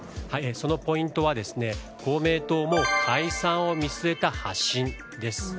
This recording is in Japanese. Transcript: そのポイントは公明党も解散を見据えた発信です。